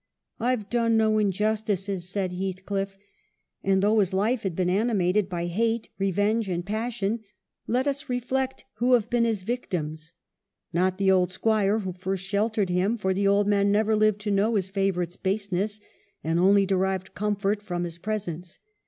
I've done no injustices," said Heathcliff ; and though his life had been animated by hate, re venge, and passion, let us reflect who have been his victims. Not the old Squire who first shel tered him ; for the old man never lived to know his favorite's baseness, and only derived comfort from his presence.